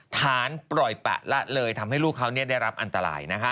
ฐานปล่อยปะละเลยทำให้ลูกเขาได้รับอันตราย